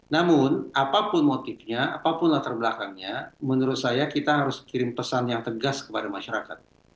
namun apapun motifnya apapun latar belakangnya menurut saya kita harus kirim pesan yang tegas kepada masyarakat